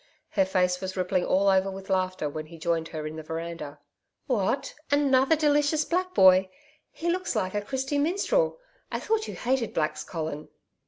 Her face was rippling all over with laughter when he joined her in the veranda. 'What! Another delicious black boy! He looks like a Christy Minstrel. I thought you hated blacks, Colin.'